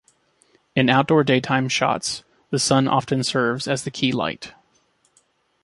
In outdoor daytime shots, the Sun often serves as the key light.